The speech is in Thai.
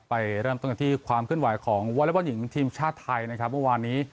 ไปเริ่มต้นกันที่ความขึ้นวัยของวอลเลฟอลหญิงทีมชาตาม่วงวันนี้